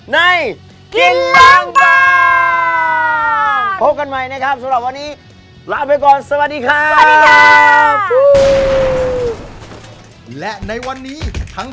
ในกินล้างบาง